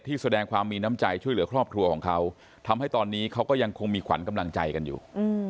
แสดงความมีน้ำใจช่วยเหลือครอบครัวของเขาทำให้ตอนนี้เขาก็ยังคงมีขวัญกำลังใจกันอยู่